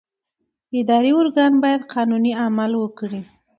اداري ارګان باید قانوني عمل وکړي.